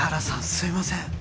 すいません